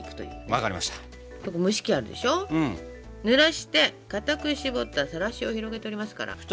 ぬらしてかたく絞ったさらしを広げておりますから。